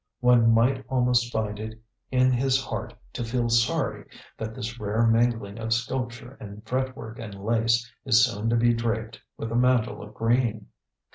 One might almost find it in his heart to feel sorry that this rare mingling of sculpture and fretwork and lace is soon to be draped with a mantle of green.